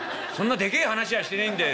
でけえ話はしてねえんだよ。